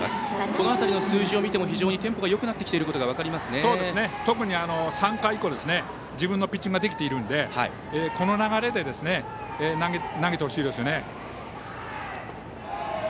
この辺りの数字を見てもテンポがよくなっているのが特に３回以降自分のポイントができているのでこの流れで投げてほしいですね。